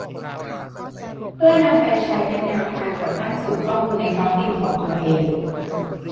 เพื่อนำไปใช้เป็นแนวทางจัดตั้งศูนย์ข้อมูลในท้องถิ่นของตัวเอง